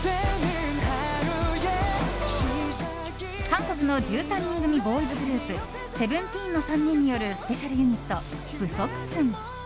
韓国の１３人組ボーイズグループＳＥＶＥＮＴＥＥＮの３人によるスペシャルユニット、ＢＳＳ。